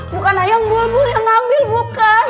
bukan ayam bulbul yang ngambil bukan